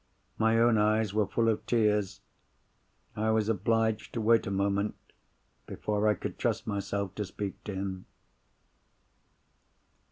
My own eyes were full of tears. I was obliged to wait a moment before I could trust myself to speak to him.